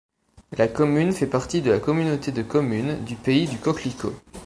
La commune fait partie de la communauté de communes du Pays du Coquelicot.